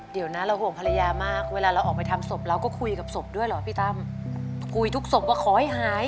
เดี๋ยวนะเราห่วงภรรยามากเวลาเราออกไปทำศพเราก็คุยกับศพด้วยเหรอพี่ตั้มคุยทุกศพว่าขอให้หาย